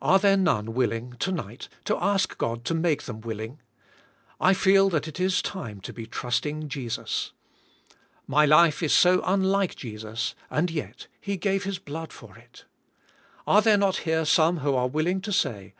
Are there none willing, to night, to ask God to make them willing. I feel that it is time to be trusting Jesus. My life is so unlike Jesus, and yet, He gave His blood for it. Are there not here some who are willing to say.